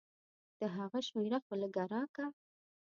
د هغه شميره خو لګه راکه.